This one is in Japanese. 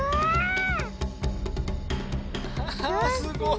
あすごい。